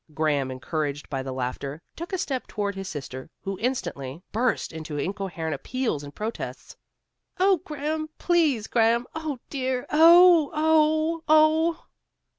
Graham, encouraged by the laughter, took a step toward his sister who instantly burst into incoherent appeals and protests. "Oh, Graham, please, Graham! Oh, dear! Oh! Oh! Oh!"